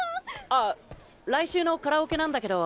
あ来週のカラオケなんだけど。